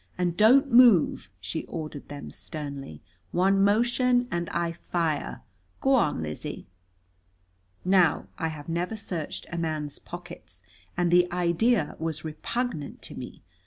And don't move," she ordered them sternly. "One motion, and I fire. Go on, Lizzie." Now I have never searched a man's pockets, and the idea was repugnant to me.